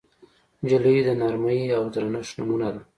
نجلۍ د نرمۍ او درنښت نمونه ده.